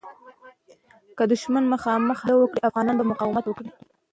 که دښمن مخامخ حمله وکړي، افغانان به مقاومت وکړي.